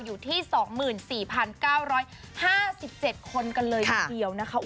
อยู่ที่๒๔๙๕๗คนกันเลยทีเดียวนะคะ